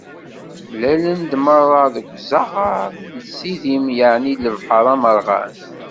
Mlalen-d meṛṛa deg uzaɣar n Sidim, yeɛni lebḥeṛ amerɣan.